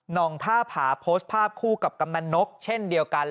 องท่าผาโพสต์ภาพคู่กับกำนันนกเช่นเดียวกัน